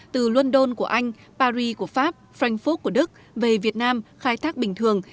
từ london của anh paris của pháp frankfurt của đức về việt nam khai thác bình thường